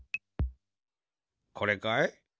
これかい？